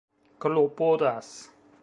klopodas